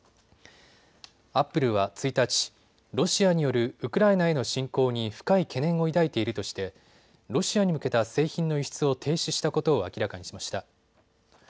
アップルは１日、ロシアによるウクライナへの侵攻に深い懸念を抱いているとしてロシアに向けた製品の輸出を停止したことを明らかにしました。